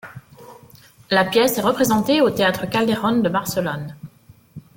La pièce est représentée au Théâtre Calderón de Barcelone.